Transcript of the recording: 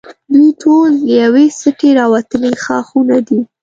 دوی ټول د یوې سټې راوتلي ښاخونه دي.